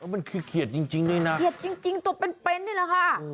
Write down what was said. มันคือเขียดจริงด้วยนะเขียดจริงตัวเป็นนี่แหละค่ะ